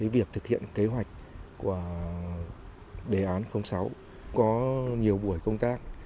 việc thực hiện kế hoạch của đề án sáu có nhiều buổi công tác